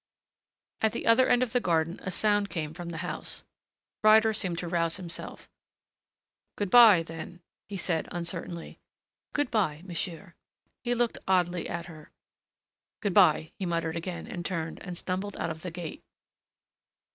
At the other end of the garden a sound came from the house. Ryder seemed to rouse himself. "Good bye, then," he said, uncertainly. "Good bye, monsieur." He looked oddly at her. "Good bye," he muttered again, and turned, and stumbled out of the gate.